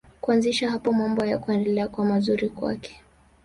Kuanzia hapo mambo hayakuendelea kuwa mazuri kwake.